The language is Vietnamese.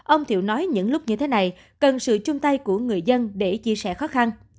ông thiệu nói những lúc như thế này cần sự chung tay của người dân để chia sẻ khó khăn